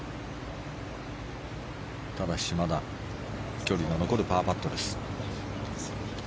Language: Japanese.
ただし、まだ距離が残るパーパットです。